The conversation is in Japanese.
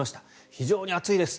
非常に暑いです。